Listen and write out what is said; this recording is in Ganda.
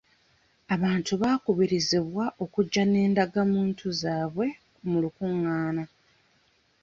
Abantu bakubirizibwa okujja n'endagamuntu zaabwe mu lukungana.